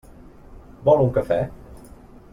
Vol un cafè?